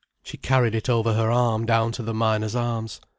She carried it over her arm down to the Miners' Arms.